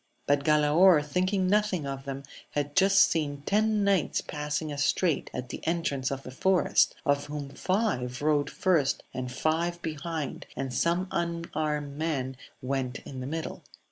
But Galaor, thinking nothing of them, had just seen ten knights passing a strait at the entrance of the forest, of whom five rode first and five behind, and some unarmed men went in the middle.